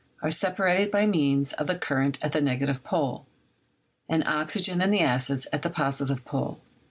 are separated by means of the current at the negative pole, and oxygen and the acids at the positive pole.